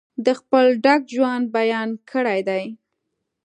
د خپل ډک ژوند بیان کړی دی.